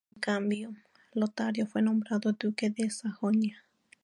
En cambio, Lotario fue nombrado Duque de Sajonia.